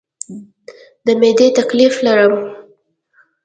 د معدې تکلیف لرم